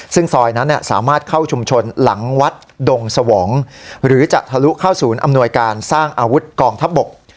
ซึ่งซอยนั้นสามารถเข้าชุมชนหลังวัดดงสวองหรือจะทะลุเข้าศูนย์อำนวยการสร้างอาวุธกองทัพบก